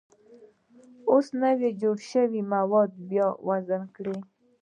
اوس نوي جوړ شوي مواد بیا وزن کړئ.